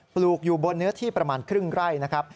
ปลูกอยู่บนเนื้อที่ประมาณครึ่งไร่นะครับ